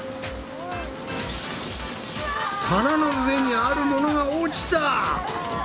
棚の上にある物が落ちた！